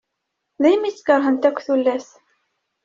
Daymi tt-kerhent akk tullas.